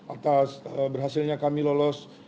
atas berhasilnya kami lolos